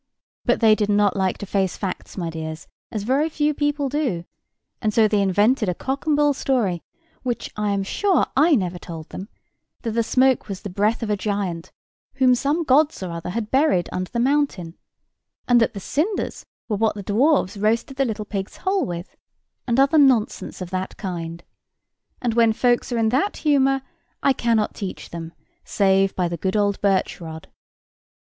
But they did not like to face facts, my dears, as very few people do; and so they invented a cock and bull story, which, I am sure, I never told them, that the smoke was the breath of a giant, whom some gods or other had buried under the mountain; and that the cinders were what the dwarfs roasted the little pigs whole with; and other nonsense of that kind. And, when folks are in that humour, I cannot teach them, save by the good old birch rod."